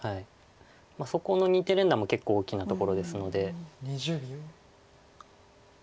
そこの２手連打も結構大きなところですので。